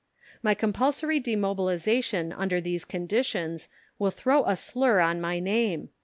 My compulsory Demobilization under these conditions will throw a slur on my name.